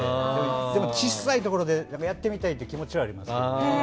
でも小さいところでやってみたいっていう気持ちはありますけどね。